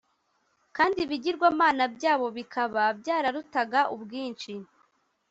kandi ibigirwamana byabo bikaba byararutaga ubwinshi